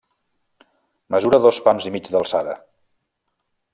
Mesura dos pams i mig d'alçada.